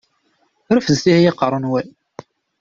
Refdet ihi aqeṛṛu-nwen!